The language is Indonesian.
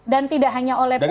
dan tidak hanya oleh publik